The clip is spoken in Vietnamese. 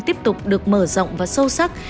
tiếp tục được mở rộng và sâu sắc